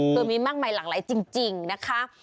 คือมีมากมายหลากหลายจริงนะคะ